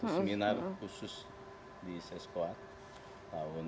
seminar khusus di seskuad tahun seribu sembilan ratus enam puluh lima